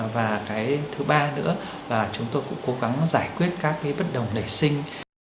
và cái thứ ba nữa là chúng tôi cũng cố gắng giải quyết các cái bất đồng nảy sinh